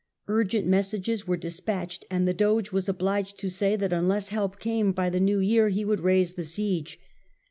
Urgent messages were despatched, and the Doge was obliged to say that unless help came by the New Year he would raise the siege.